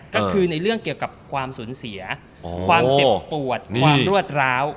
ก็คือในเรื่องเกี่ยวกับความสูญเสียความเจ็บปวดความรวดร้าว